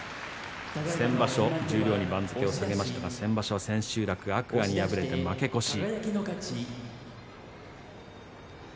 先場所十両に番付を下げましたが先場所千秋楽天空海に敗れて負け越し。